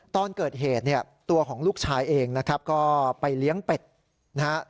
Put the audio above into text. ตอนเกิดเหตุเนี่ยตัวของลูกชายเองนะครับก็ไปเลี้ยงเป็ดนะฮะ